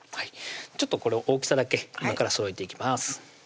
ちょっと大きさだけ今からそろえていきます